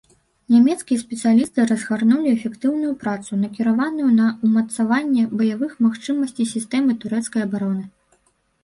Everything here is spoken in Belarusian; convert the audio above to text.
Нямецкія спецыялісты разгарнулі эфектыўную працу, накіраваную на ўмацаванне баявых магчымасцей сістэмы турэцкай абароны.